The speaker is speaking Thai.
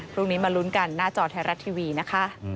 พรุ่งนี้มาลุ้นกันหน้าจอไทยรัฐทีวีนะคะ